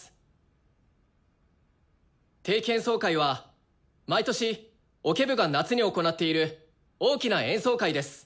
定期演奏会は毎年オケ部が夏に行っている大きな演奏会です。